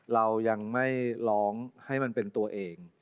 เรายังไม่ร้องให้มันเป็นตัวเอง